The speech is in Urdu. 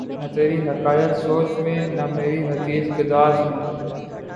نہ تری حکایت سوز میں نہ مری حدیث گداز میں